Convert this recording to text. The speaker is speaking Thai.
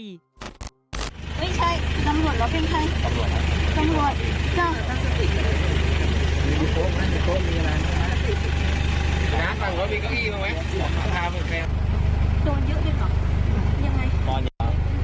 ยังไงยังไง